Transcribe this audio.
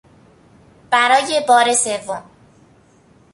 برای بار سوم